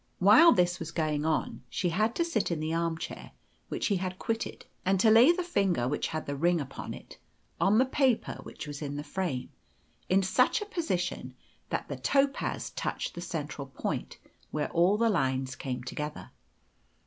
While this was going on she had to sit in the armchair, which he had quitted, and to lay the finger which had the ring upon it on the paper which was in the frame, in such a position that the topaz touched the central point where all the lines came together.